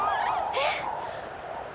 えっ！？